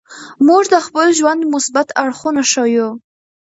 موږ د خپل ژوند مثبت اړخونه ښیو.